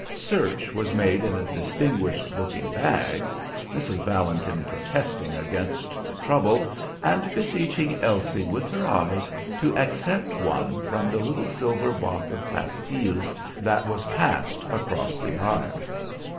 Search was made in a distinguished looking bag, Mrs. Valentin protesting against the trouble, and beseeching Elsie with her eyes to accept one from the little silver box of pastils that was passed across the aisle.